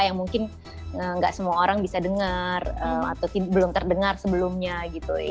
yang mungkin gak semua orang bisa dengar atau belum terdengar sebelumnya gitu